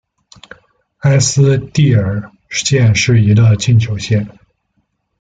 埃斯蒂尔县是一个禁酒县。